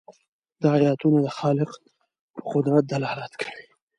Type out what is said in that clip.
دا آیتونه د خالق په قدرت دلالت کوي.